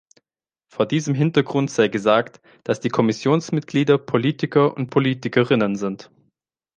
Vor diesem Hintergrund sei gesagt, dass die Kommissionsmitglieder Politiker und Politikerinnen sind.